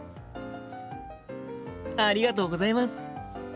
ありがとうございます！